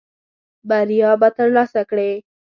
بریا به ترلاسه کړې .